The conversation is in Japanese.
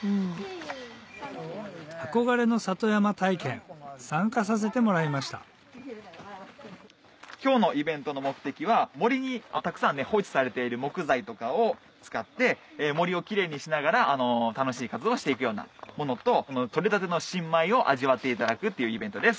憧れの里山体験参加させてもらいました今日のイベントの目的は森にたくさん放置されている木材とかを使って森をキレイにしながら楽しい活動をして行くようなものと取れたての新米を味わっていただくっていうイベントです。